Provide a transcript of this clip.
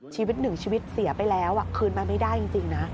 ชีวิตหนึ่งชีวิตเสียไปแล้วคืนมาไม่ได้จริงนะ